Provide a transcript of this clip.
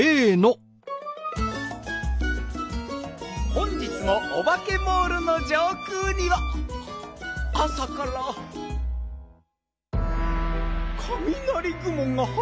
本日もオバケモールの上空にはあさからかみなりぐもがはっせい中。